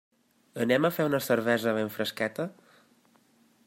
Anem a fer una cervesa ben fresqueta?